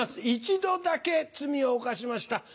一度だけ罪を犯しました。